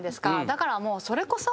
だからそれこそ。